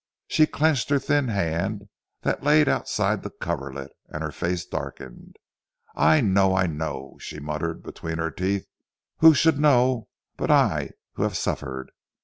She clenched her thin hand that laid outside the coverlet, and her face darkened. "I know! I know," she muttered between her teeth, "who should know but I who have suffered?